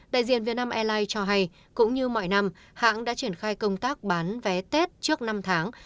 đại diện việt nam airlines cho hay cũng như mọi năm hãng đã triển khai công tác bán vé tết trước năm tháng